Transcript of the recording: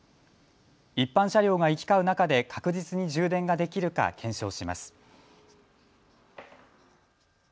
一般車両が行き交う中で確実に充電ができるか検証します。